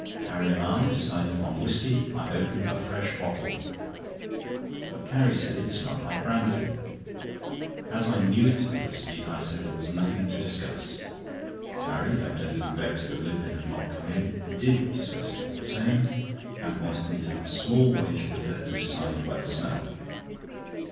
Carrie and I deciding on whisky, I opened a fresh bottle; but Carrie said it smelt like brandy. As I knew it to be whisky, I said there was nothing to discuss. Carrie, evidently vexed that Lupin had not come in, did discuss it all the same, and wanted me to have a small wager with her to decide by the smell.